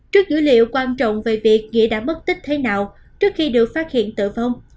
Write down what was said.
trước dữ liệu quan trọng về việc nhĩ đã mất tích thế nào trước khi được phát hiện tử vong